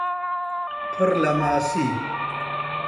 پڕ لە ماسی